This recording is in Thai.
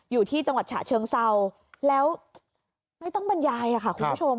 อยู่ที่จังหวัดฉะเชิงเศร้าแล้วไม่ต้องบรรยายค่ะคุณผู้ชม